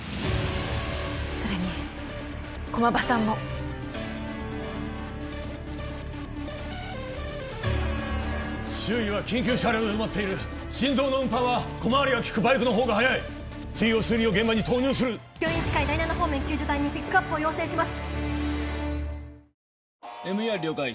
それに駒場さんも周囲は緊急車両で埋まっている心臓の運搬は小回りが利くバイクの方が早いＴＯ３を現場に投入する病院に近い第七方面救助隊にピックアップを要請します